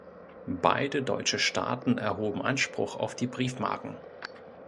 Beide deutsche Staaten erhoben Anspruch auf die Briefmarken.